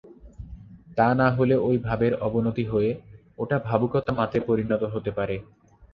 তা না হলে ঐ ভাবের অবনতি হয়ে ওটা ভাবুকতা-মাত্রে পরিণত হতে পারে।